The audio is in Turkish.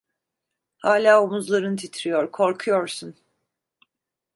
Hala omuzların titriyor, korkuyorsun!